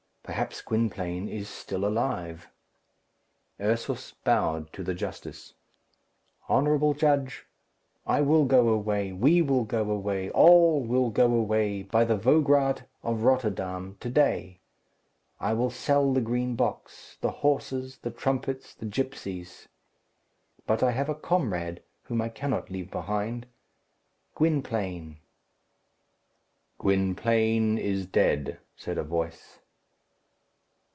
Perhaps Gwynplaine is still alive." Ursus bowed to the justice. "Honourable judge, I will go away, we will go away, all will go away, by the Vograat of Rotterdam, to day. I will sell the Green Box, the horses, the trumpets, the gipsies. But I have a comrade, whom I cannot leave behind Gwynplaine." "Gwynplaine is dead," said a voice.